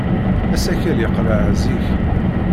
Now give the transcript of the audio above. Asakal yeqleɛ zik.